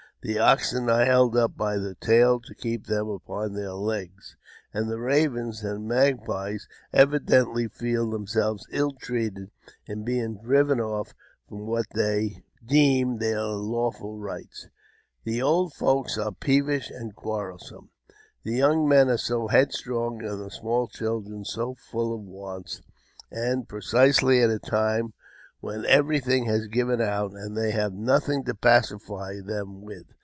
The oxen are held up by the tail to keep them upon their legs, and the ravens and magpies evidently JAMES P. BECKWOUBTH. 429 feel themselves ill treated in being driven off from what they deem their lawful rights. The old folks are peevish and quarrelsome ; the young men are so headstrong, and the small children so full of wants, and precisely at a time when everything has given out, and they have nothing to pacify them with.